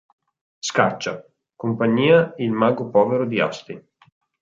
Scaccia; Compagnia Il Mago Povero di Asti.